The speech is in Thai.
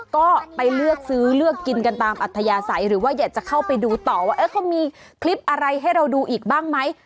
ก็ไปเลือกซื้อเลือกกินกันตามอัธยาศัยหรือว่าอยากจะเข้าไปดูต่อว่าเขามีคลิปอะไรให้เราดูอีกบ้างไหม